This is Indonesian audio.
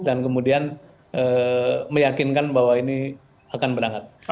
dan kemudian meyakinkan bahwa ini akan berangkat